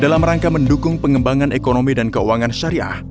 dalam rangka mendukung pengembangan ekonomi dan keuangan syariah